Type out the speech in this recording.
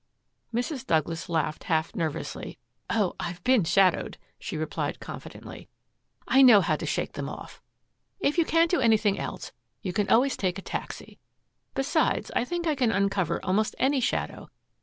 Mrs. Douglas laughed half nervously. "Oh, I've been shadowed," she replied confidently. "I know how to shake them off. If you can't do anything else, you can always take a taxi. Besides, I think I can uncover almost any shadow.